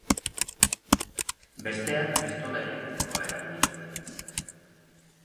Besteak pistola elektrikoa erabili zuen.